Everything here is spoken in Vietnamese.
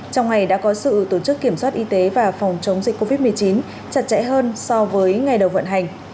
trong ngày đã có sự tổ chức kiểm soát y tế và phòng chống dịch covid một mươi chín chặt chẽ hơn so với ngày đầu vận hành